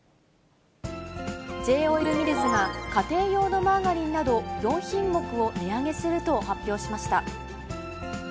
Ｊ−オイルミルズが家庭用のマーガリンなど、４品目を値上げすると発表しました。